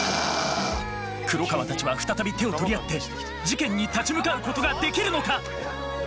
黒川たちは再び手を取り合って事件に立ち向かうことができるのか。